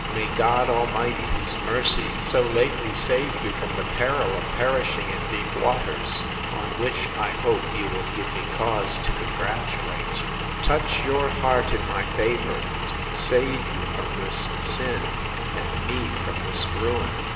—May God Almighty, whose mercy so lately saved you from the peril of perishing in deep waters, (on which, I hope, you will give me cause to congratulate you!) touch your heart in my favour, and save you from this sin, and me from this ruin!